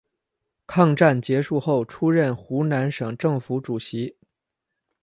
抗战结束后出任湖南省政府主席。